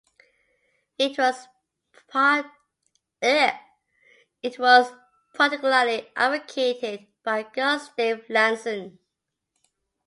It was particularly advocated by Gustave Lanson.